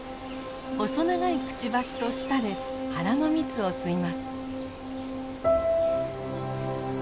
細長いくちばしと舌で花の蜜を吸います。